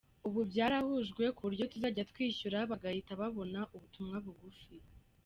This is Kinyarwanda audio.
Ubu byarahujwe ku buryo tuzajya twishyura bagahita babona ubutumwa bugufi.